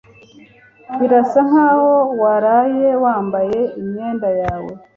Birasa nkaho waraye wambaye imyenda yawe.